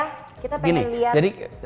kita pengen lihat kondisi rumahnya